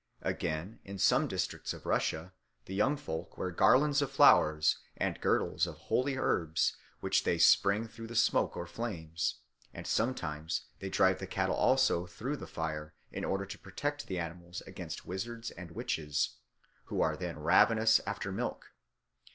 Again, in some districts of Russia the young folk wear garlands of flowers and girdles of holy herbs when they spring through the smoke or flames; and sometimes they drive the cattle also through the fire in order to protect the animals against wizards and witches, who are then ravenous after milk.